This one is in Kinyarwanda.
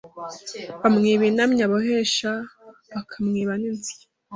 bamwiba intamyi abohesha bakamwiba n’insya